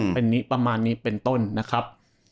เป็นนี้ประมาณนี้เป็นต้นนะครับ